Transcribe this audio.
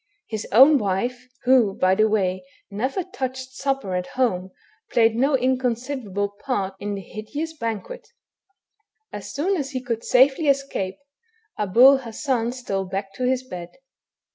His own wife, who, by the way, never THE HUMAN HYJENA. 253 touched supper at home, played no inconsiderable part in the hideous banquet. As soon as he could safely escape, Abul Hassan stole back to his bed.